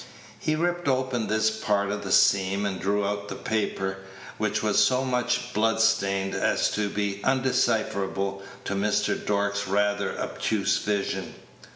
He ripped open this part of the seam, and drew out the paper, which was so much bloodstained as to be undecipherable to Mr. Dork's rather obtuse vision.